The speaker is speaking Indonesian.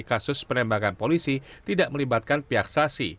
kasus penembakan polisi tidak melibatkan pihak saksi